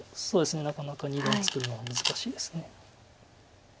そうですねなかなか２眼作るのは難しいです。